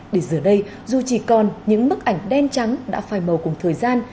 để giờ đây dù chỉ còn những bức ảnh đen trắng đã phai màu cùng thời gian